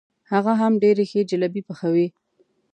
هغه هم ډېرې ښې جلبۍ پخوي.